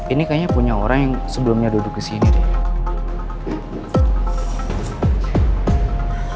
ini kayaknya punya orang yang sebelumnya duduk kesini deh